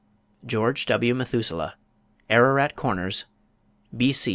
GEORGE W. METHUSELAH. Ararat Corners, B. C.